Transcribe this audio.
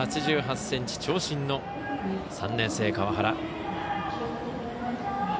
１ｍ８８ｃｍ、長身の３年生川原。